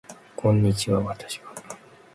こんにちは私は